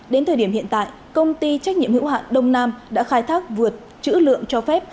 đến thời điểm hiện tại công ty trách nhiệm hữu hạn đông nam đã khai thác vượt chữ lượng cho phép